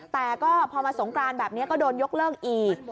แต่ก็พอมาสงกรานแบบนี้ก็โดนยกเลิกอีก